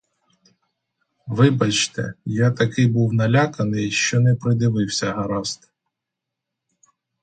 Вибачте, я такий був наляканий, що не придивився гаразд.